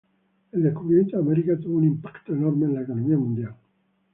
El descubrimiento de América tuvo un impacto enorme en la economía mundial.